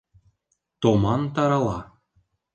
Томан тарала